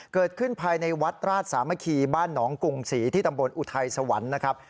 เกิดขึ้นภายในวัดราชสามัคคีบ้านหนองกรุงศรีที่ตำบลอุทัยสวรรค์นะครับ